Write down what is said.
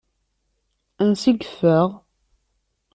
Ansa i yeffeɣ?